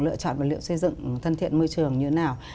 lựa chọn vật liệu xây dựng thân thiện môi trường như thế nào